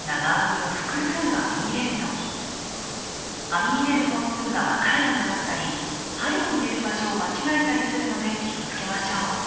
編み入れる本数が分からなくなったり針を入れる場所を間違えたりするので気をつけましょう。